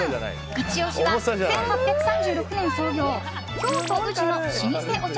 イチ押しは１８３６年創業京都・宇治の老舗お茶